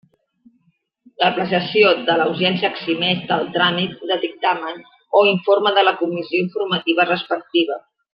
L'apreciació de la urgència eximeix del tràmit de dictamen o informe de la comissió informativa respectiva.